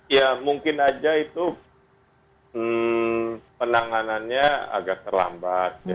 ya mungkin aja itu penanganannya agak terlambat